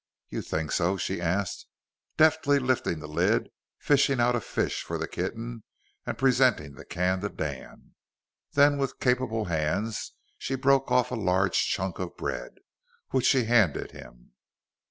"You think so?" she asked, deftly lifting the lid, fishing out a fish for the kitten, and presenting the can to Dan. Then with capable hands she broke off a large chunk of bread, which she handed him.